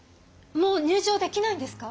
もう入場できないんですか？